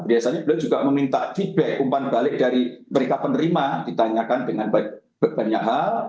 biasanya beliau juga meminta feedback umpan balik dari mereka penerima ditanyakan dengan banyak hal